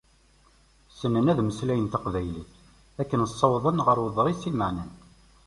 Ssnen ad mmeslen Taqbaylit akken ssawḍen ɣer uḍris imeɛnen.